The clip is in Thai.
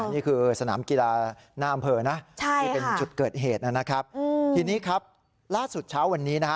นี่คือสนามกีฬาหน้าอำเภอนะที่เป็นจุดเกิดเหตุนะครับทีนี้ครับล่าสุดเช้าวันนี้นะฮะ